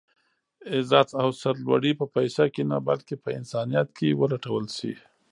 عزت او سر لوړي په پيسه کې نه بلکې په انسانيت کې ولټول شي.